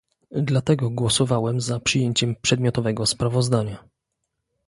Dlatego głosowałem za przyjęciem przedmiotowego sprawozdania